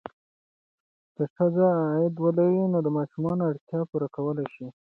که ښځه عاید ولري، نو د ماشومانو اړتیاوې پوره کولی شي.